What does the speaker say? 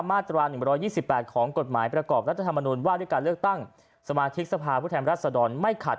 มาตรา๑๒๘ของกฎหมายประกอบรัฐธรรมนุนว่าด้วยการเลือกตั้งสมาชิกสภาพผู้แทนรัศดรไม่ขัด